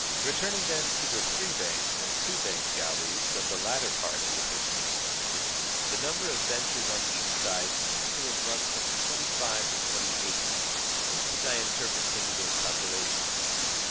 § 27. Returning then to the three banked and two banked galleys of the latter part of the 13th century, the number of benches on each side seems to have run from twenty ^^^^ details five to twenty eight, at least as I interpret Sanudo's "g.'J'ury^'^ calculations.